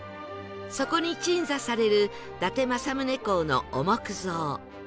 そこに鎮座される伊達政宗公の御木像